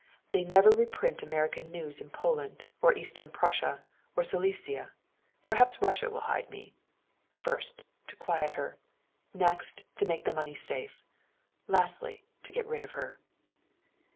They never reprint American news in Poland or Eastern Prussia and Silesia. Perhaps Russia will hide me. First, to quiet her; next, to make the money safe; lastly, to get rid of her."